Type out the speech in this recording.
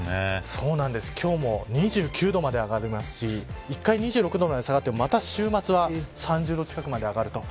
今日も２９度まで上がりますし１回２６度まで下がってまた週末は３０度近くまで上がる。